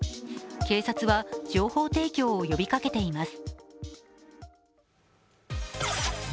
警察は情報提供を呼びかけています。